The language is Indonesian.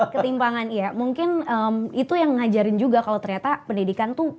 ketimpangan iya mungkin itu yang ngajarin juga kalau ternyata pendidikan tuh